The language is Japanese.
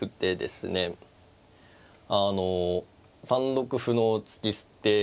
あの３六歩の突き捨て。